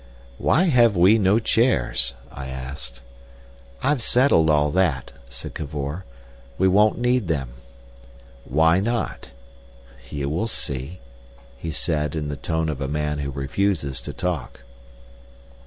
"Why have we no chairs?" I asked. "I've settled all that," said Cavor. "We won't need them." "Why not?" "You will see," he said, in the tone of a man who refuses to talk.